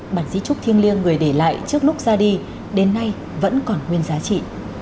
bản di trúc thiêng liêng người để lại trước lúc ra đi đến nay vẫn còn nguyên giá trị